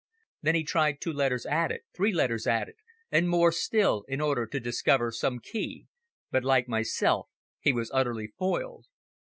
Then he tried two letters added, three letters added, and more still, in order to discover some key, but, like myself, he was utterly foiled.